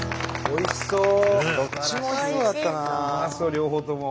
おいしそう！